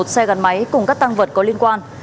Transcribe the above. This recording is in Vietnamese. một mươi một xe gắn máy cùng các tăng vật có liên quan